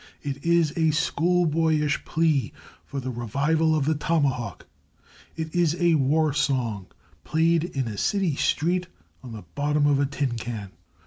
It is a schoolboyish plea for the revival of the tomahawk. It is a war song played in a city street on the bottom of a tin can.